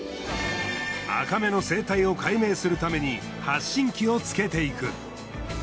アカメの生態を解明するために発信器をつけていく。